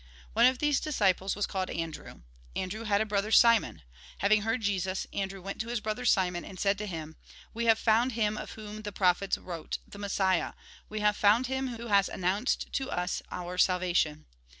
One of these disciples was called Andrew. Andrew had a brother Simon. Having heard Jesus, Andrew went to his brother Simon, and said to him :" We have found him of whom the prophets wrote, the Messiah ; we have found him who has announced to us our salvation."